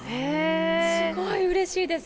すごい、うれしいです。